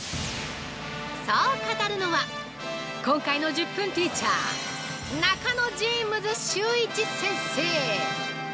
◆そう語るのは今回の１０分ティーチャー中野ジェームズ修一先生！